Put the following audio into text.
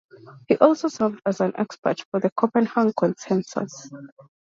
He also served as an expert for the Copenhagen Consensus.